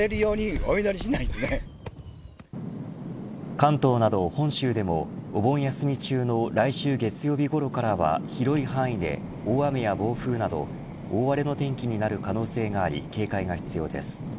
関東など本州でもお盆休み中の来週月曜日ごろからは広い範囲で大雨や暴風など大荒れの天気になる可能性があり警戒が必要です。